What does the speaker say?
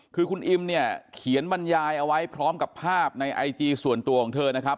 คือคุณอิมเนี่ยเขียนบรรยายเอาไว้พร้อมกับภาพในไอจีส่วนตัวของเธอนะครับ